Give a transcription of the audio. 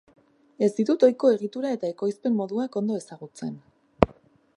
Ez ditut ohiko egitura eta ekoizpen moduak ondo ezagutzen.